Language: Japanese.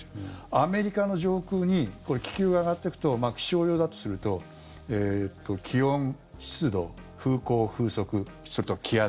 アメリカの上空に気球が上がっていくと気象用だとすると気温、湿度、風向、風速それと気圧。